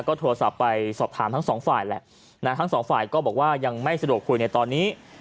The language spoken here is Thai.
ก็โทรศัพท์ไปสอบถามทั้งสองฝ่ายแหละทั้งสองฝ่ายก็บอกว่ายังไม่สะดวกคุยในตอนนี้